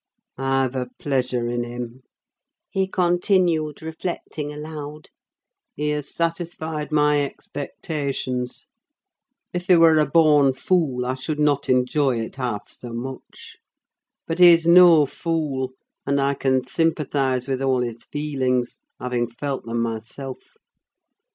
"I've a pleasure in him," he continued, reflecting aloud. "He has satisfied my expectations. If he were a born fool I should not enjoy it half so much. But he's no fool; and I can sympathise with all his feelings, having felt them myself.